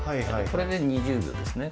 これで２０秒ですね。